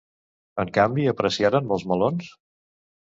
En canvi, apreciaran molts melons?